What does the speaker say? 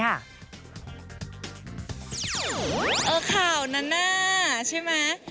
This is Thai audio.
เอาข่าวนาน่าใช่ไหม